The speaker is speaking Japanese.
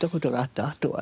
あとはね